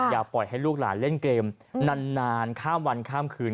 อย่าปล่อยให้ลูกหลานเล่นเกมนานข้ามวันข้ามคืน